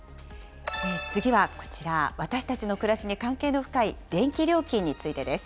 次はこちら、私たちの暮らしに関係の深い電気料金についてです。